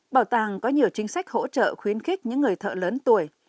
bảo tàng có nhiều chính sách hỗ trợ khuyến khích những người thợ lớn tuổi